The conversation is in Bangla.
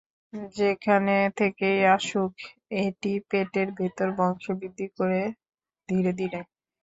যেখান থেকেই আসুক, এটি পেটের ভেতর বংশ বৃদ্ধি করে ধীরে ধীরে।